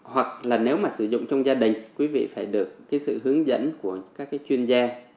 hoặc là nếu mà sử dụng trong gia đình quý vị phải được cái sự hướng dẫn của các cái chuyên gia